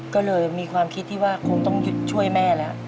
ก็เลยมีความคิดที่ว่าคงต้องหยุดช่วยแม่แล้ว